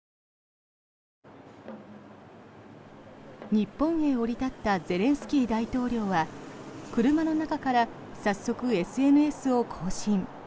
日本へ降り立ったゼレンスキー大統領は車の中から早速、ＳＮＳを更新。